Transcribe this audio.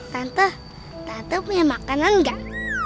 tante tante punya makanan enggak